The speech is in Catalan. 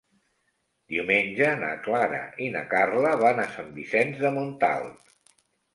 Diumenge na Clara i na Carla van a Sant Vicenç de Montalt.